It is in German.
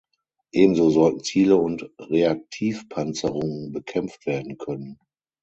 Ebenso sollten Ziele mit Reaktivpanzerung bekämpft werden können.